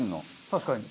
確かに。